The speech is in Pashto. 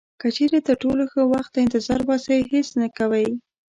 که چیرې تر ټولو ښه وخت ته انتظار باسئ هیڅ نه کوئ.